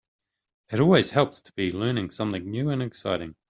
It always helps to be learning something new and exciting.